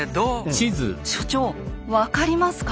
所長分かりますか？